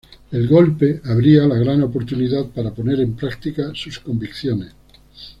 El Golpe abría la gran oportunidad para poner en práctica sus convicciones.